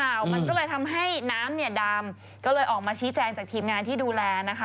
มันก็เลยทำให้น้ำเนี่ยดำก็เลยออกมาชี้แจงจากทีมงานที่ดูแลนะคะ